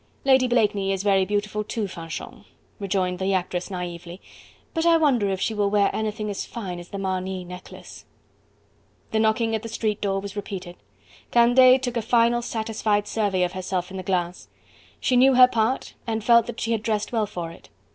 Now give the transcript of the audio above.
"Lady Blakeney is very beautiful too, Fanchon," rejoined the actress naively, "but I wonder if she will wear anything as fine as the Marny necklace?" The knocking at the street door was repeated. Candeille took a final, satisfied survey of herself in the glass. She knew her part and felt that she had dressed well for it.